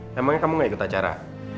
memangnya kamu gak ikut acara